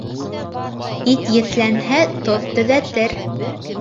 Ит еҫләнһә тоҙ төҙәтер